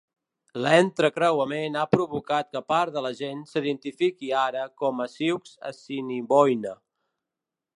L'entrecreuament ha provocat que part de la gent s'identifiqui ara com a "sioux assiniboine".